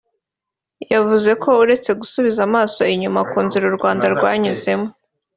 yavuze ko uretse gusubiza amaso inyuma ku nzira u Rwanda rwanyuzemo